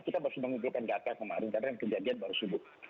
kita masih mengeluarkan data kemarin karena kejadian baru subuh